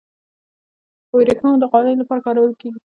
وریښم د غالیو لپاره کارول کیږي.